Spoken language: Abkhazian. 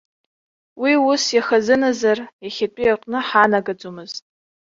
Уи ус ихазыназар, иахьатәи аҟны ҳаанагаӡомызт.